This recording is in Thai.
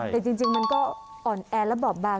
แต่จริงก็อ่อนแอสบาบบ้า